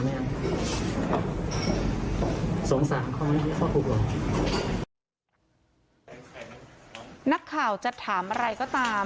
เนอะน่าค่าวจะถามอะไรก็ตาม